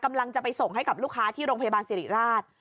กำลังจะไปส่งให้กับลูกค้าที่โรงพยาบาลสิริราช